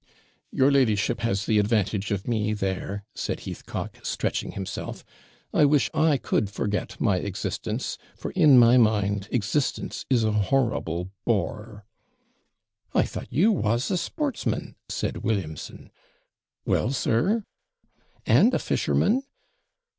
'Your ladyship has the advantage of me there,' said Heathcock, stretching himself; 'I wish I could forget my existence, for, in my mind, existence is a horrible BORE.' 'I thought you WAS a sportsman,' said Williamson. 'Well, sir?' 'And a fisherman?'